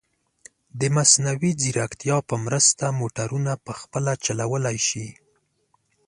د مصنوعي ځیرکتیا په مرسته، موټرونه په خپله چلولی شي.